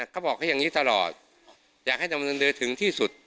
เขาบอกเขาอย่างนี้ตลอดอยากให้ดำเนินเรือถึงที่สุด